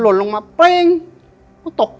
หล่นลงมาสองแผ่นอ้าวหล่นลงมาสองแผ่น